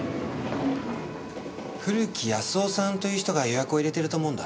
古木保男さんという人が予約を入れてると思うんだ。